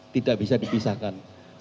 tidak bisa dipisahkan